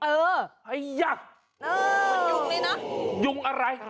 เออไอ้ยักษ์โอ้โฮมันยุงเลยเนอะ